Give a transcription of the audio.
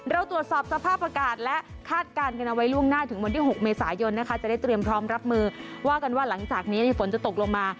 เราตรวจสอบสภาพอากาศและคาดการณ์กันเอาไว้ล่วงหน้าถึงวันที่๖เมษายนนะคะจะได้เตรียมพร้อมรับมือว่ากันว่าหลังจากนี้ฝนจะตกลงมา